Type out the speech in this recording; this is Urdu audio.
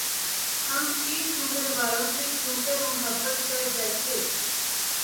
ہم شیش محل والوں سے کیونکر محبت کر بیتھے